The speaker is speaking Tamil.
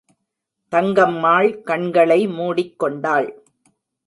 தங்கம்மாள் கண்களை மூடிக்கொண்டாள்.